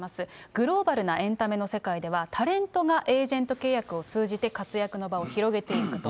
グローバルなエンタメの世界では、タレントがエージェント契約を通じて活躍の場を広げていくと。